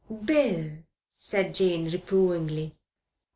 "Bill!" said Jane reprovingly.